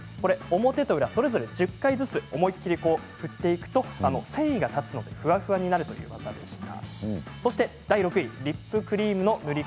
表と裏それぞれ１０回ずつ思い切り振っていくと繊維が立つのでふわふわになるという技でした。